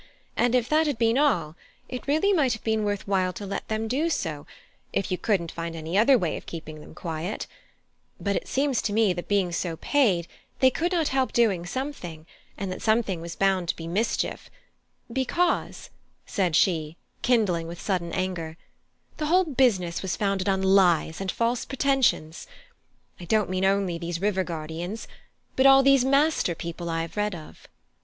And if that had been all, it really might have been worth while to let them do so, if you couldn't find any other way of keeping them quiet; but it seems to me that being so paid, they could not help doing something, and that something was bound to be mischief, because," said she, kindling with sudden anger, "the whole business was founded on lies and false pretensions. I don't mean only these river guardians, but all these master people I have read of."